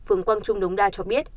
phường quang trung đống đa cho biết